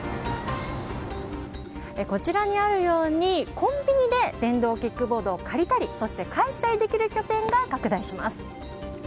こちらにあるようにコンビニで電動キックボードを借りたり返したりできる拠点が拡大します。